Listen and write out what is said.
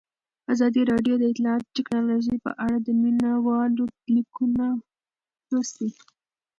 ازادي راډیو د اطلاعاتی تکنالوژي په اړه د مینه والو لیکونه لوستي.